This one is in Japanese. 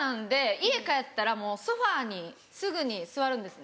家帰ったらもうソファにすぐに座るんですね。